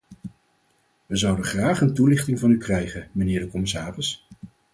We zouden graag een toelichting van u krijgen, mijnheer de commissaris.